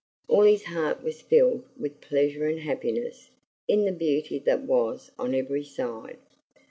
All his heart was filled with pleasure and happiness in the beauty that was on every side.